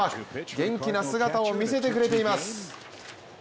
元気な姿を見せてくれています。